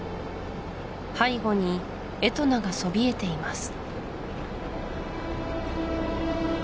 背後にエトナがそびえています